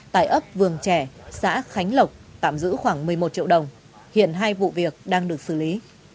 tại ấp vườn trẻ xã khánh lộc tạm giữ khoảng một mươi một triệu đồng hiện hai vụ việc đang được xử lý